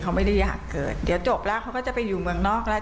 เขาไม่ได้อยากเกิดเดี๋ยวจบแล้วเขาก็จะไปอยู่เมืองนอกแล้ว